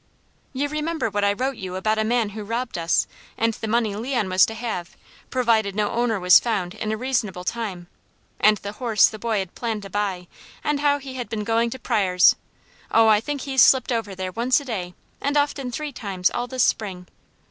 "You remember what I wrote you about a man who robbed us, and the money Leon was to have, provided no owner was found in a reasonable time; and the horse the boy had planned to buy, and how he had been going to Pryors' Oh, I think he's slipped over there once a day, and often three times, all this spring!